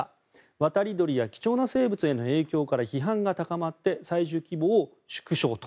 渡り鳥や貴重な生物への影響から批判が高まって採取規模を縮小と。